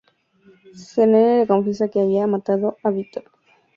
Selene le confiesa que había matado a Viktor.